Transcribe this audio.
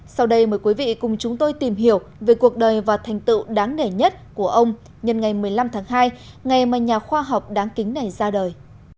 sau đây mời quý vị cùng chúng tôi tìm hiểu về cuộc đời và thành tựu đáng đẻ nhất của ông nhân ngày một mươi năm tháng hai ngày mà nhà khoa học đáng kính này ra đời